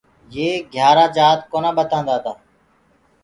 يي گھِيآرآ جآت ڪونآ ٻتآدآتآ۔